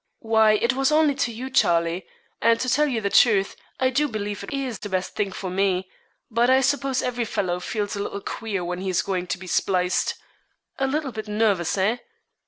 'Why, it was only to you, Charlie, and to tell you the truth, I do believe it is the best thing for me; but I suppose every fellow feels a little queer when he is going to be spliced, a little bit nervous, eh?